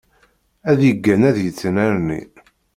Ad yeggan ad yettnerni.